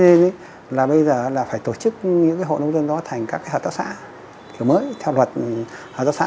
thế cho nên là bây giờ là phải tổ chức những cái hộ nông dân đó thành các hợp tác xã kiểu mới theo luật hợp tác xã hai trăm một mươi hai